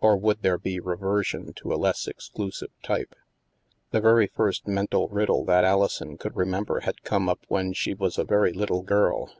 Or would there be reversion to a less exclusive type? The very first mental riddle that Alison could re member had come up when she was a very little girl.